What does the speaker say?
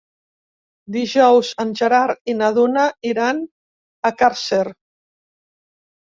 Dijous en Gerard i na Duna iran a Càrcer.